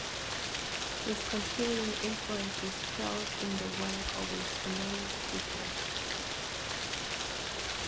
His continuing influence is felt in the work of his many pupils.